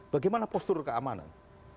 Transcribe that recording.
bagaimana postur keamanan